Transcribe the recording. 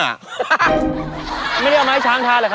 ไม่ได้เอามาให้ช้างทานหรือครับ